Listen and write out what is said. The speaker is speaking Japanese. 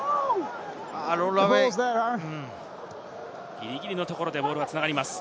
ギリギリのところでボールが繋がります。